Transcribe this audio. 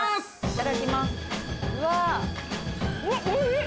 いただきます。